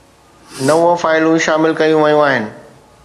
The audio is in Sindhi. نو فائلون شامل ڪيون ويون آهن